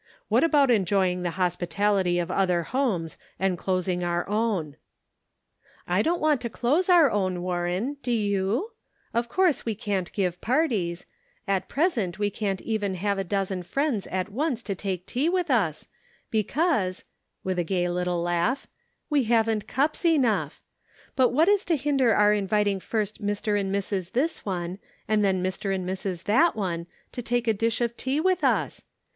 " What about enjoying the hospitality of other homes and closing our own ?"" I don't want to close our own, Warren ; do you ? Of course we can't give parties ; at present we can't even have a dozen friends at once to take tea with us, because," with a gay little laugh, " we haven't cups enough. But what is to hinder our inviting first Mr. and Mrs. this one, and then Mr. and Mrs. that one, to take a dish of tea with us